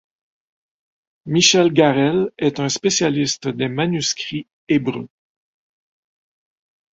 Michel Garel est un spécialiste des manuscrits hébreux.